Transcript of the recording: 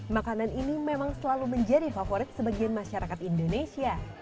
makanan ini memang selalu menjadi favorit sebagian masyarakat indonesia